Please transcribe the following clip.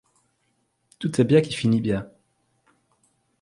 Tout est bien qui finit bien.